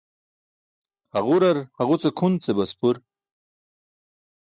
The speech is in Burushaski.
Haġurar haġuce kʰun ce baspur.